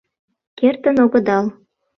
— Кертын огыдал?